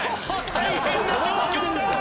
大変な状況だ！